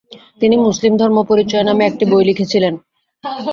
তিনি মুসলিম ধর্ম পরিচয় নামে একটি বই লিখেছিলেন।